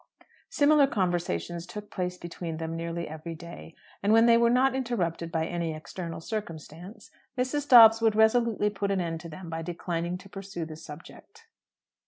Similar conversations took place between them nearly every day. And when they were not interrupted by any external circumstance, Mrs. Dobbs would resolutely put an end to them by declining to pursue the subject.